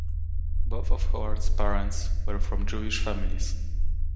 Both of Howard's parents were from Jewish families.